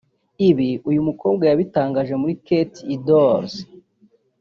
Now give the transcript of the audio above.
Ibi uyu mukobwa yabitangarije muri Kt Idols